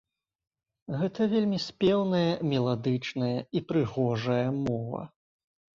Гэта вельмі спеўная, меладычная і прыгожая мова.